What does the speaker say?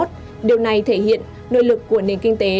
điều này thể hiện nội lực của nền kinh tế